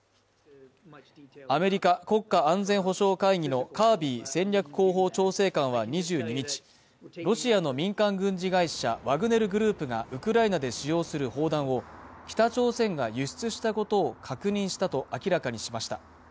アメリカ国家安全保障会議のカービー戦略広報調整官は２２日ロシアの民間軍事会社ワグネル・グループがウクライナで使用する砲弾を北朝鮮が輸出したことを確認したと明らかにしました